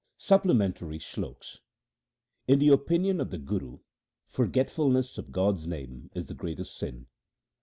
Supplementary Sloks In the opinion of the Guru forgetfulness of God's name is the greatest sin.